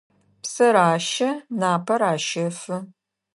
Псэр ащэ, напэр ащэфы.